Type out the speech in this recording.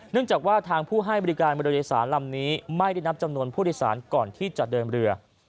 จากว่าทางผู้ให้บริการบริเวณโดยสารลำนี้ไม่ได้นับจำนวนผู้โดยสารก่อนที่จะเดินเรือ